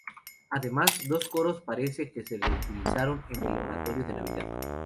Además, dos coros parece que se reutilizaron en el "Oratorio de Navidad".